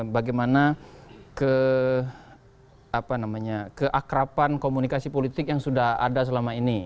bagaimana keakrapan komunikasi politik yang sudah ada selama ini